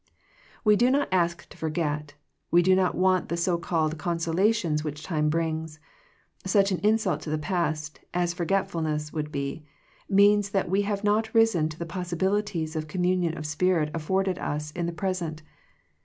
We do not ask to forget; we do not want the so called consolations which time brings. Such an insult to the past, as forgetfulness would be, means that we have not risen to the possibilities of com munion of spirit afforded us in the pres ent.